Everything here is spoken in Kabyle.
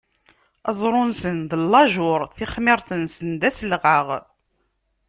Aẓru-nsen d llajuṛ, tixmiṛt-nsen d aselɣaɣ.